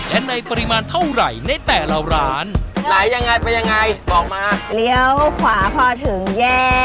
และในปริมาณเท่าไหร่ในแต่ละร้านหลายยังไงไปยังไงบอกมาเลี้ยวขวาพอถึงแยก